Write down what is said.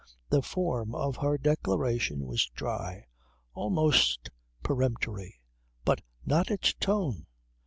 The form of her declaration was dry, almost peremptory but not its tone.